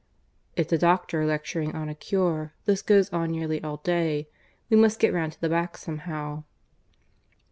"It's a doctor lecturing on a cure. This goes on nearly all day. We must get round to the back somehow."